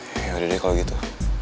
ya udah deh kalau gitu